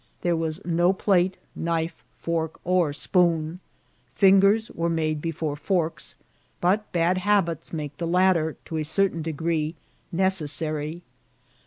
There was no plate, knife, fork, or spoon. Fingers were made before forks ; but bad habits make the latter, to a certain degree, ne cessary.